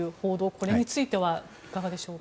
これについてはいかがでしょう。